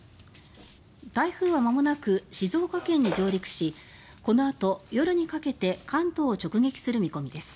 台風はまもなく静岡県に上陸しこのあと夜にかけて関東を直撃する見込みです。